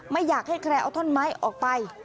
ไม่อยากให้ใครเอาท่อนไม้ออกไป